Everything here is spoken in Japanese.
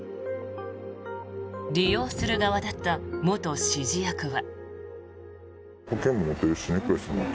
利用する側だった元指示役は。